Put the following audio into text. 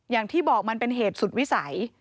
อย่างที่บอกมันเป็นเหตุสุดวิสัย